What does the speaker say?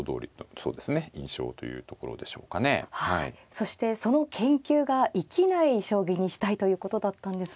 そしてその研究が生きない将棋にしたいということだったんですが。